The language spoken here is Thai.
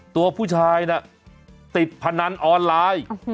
ตัวผู้ชายน่ะติดพนันออนไลน์